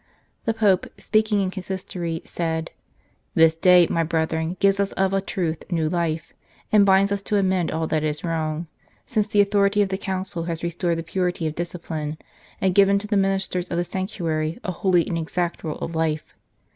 The Pope, speaking in Consistory, said : "This day, my brethren, gives us of a truth new life, and binds us to amend all that is wrong, since the authority of the Council has restored the purity of discipline, and given to the ministers of the sanctuary a holy and exact rule of life.